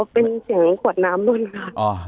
อ๋อเป็นเสียงขวดน้ำบ้างครับ